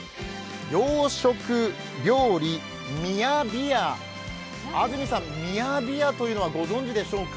洋食料理ミヤビヤ、安住さん、ミヤビヤというのはご存じでしょうか？